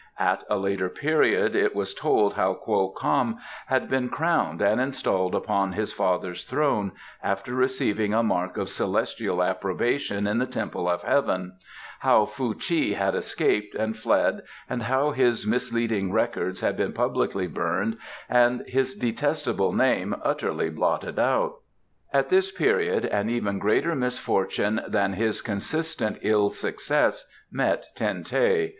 At a later period it was told how Kwo Kam had been crowned and installed upon his father's throne, after receiving a mark of celestial approbation in the Temple of Heaven, how Fuh chi had escaped and fled and how his misleading records had been publicly burned and his detestable name utterly blotted out. At this period an even greater misfortune than his consistent ill success met Ten teh.